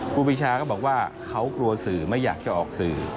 ครูปีชาก็บอกว่าเขากลัวสื่อไม่อยากจะออกสื่อ